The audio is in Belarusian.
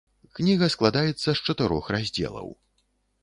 Кніга складаецца з чатырох раздзелаў.